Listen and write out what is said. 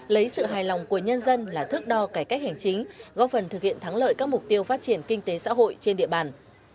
lấy sự hài lòng của nhân dân là thước đo cải cách hành chính góp phần thực hiện thắng lợi các mục tiêu phát triển kinh tế xã hội trên địa bàn